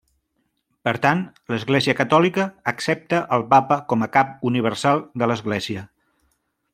Per tant, l'Església Catòlica accepta el Papa com a cap universal de l'Església.